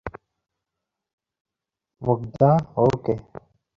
মুগ্ধা, ও কে?